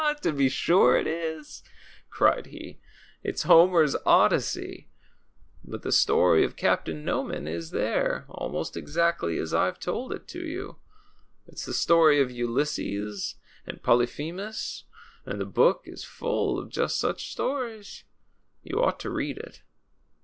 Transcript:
"To be sure it is," cried he. "It's Homer's ' Odyssey.' But the story of Captain Noman is there, almost exactly as I've told it to you. It's the story of Ulysses and Polyphemus. And the book is full of just such stories. You ought to read it."